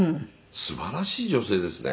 「すばらしい女性ですね」